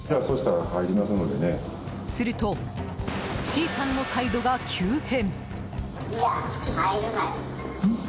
するとＣさんの態度が急変。